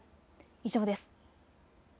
以上です。